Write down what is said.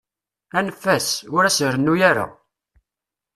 Anef-as, ur as-rennu ara.